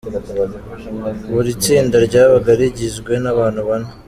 Buri tsinda ryabaga rigizwe n'abantu bane.